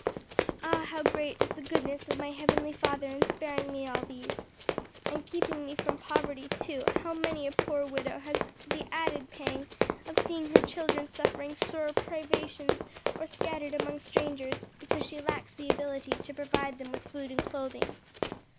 Ah how great is the goodness of my heavenly Father in sparing me all these! And keeping me from poverty too; how many a poor widow has the added pang of seeing her children suffering sore privations or scattered among strangers, because she lacks the ability to provide them with food and clothing."